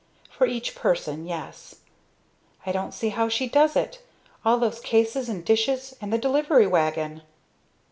"For each person, yes." "I don't see how she does it. All those cases and dishes, and the delivery wagon!"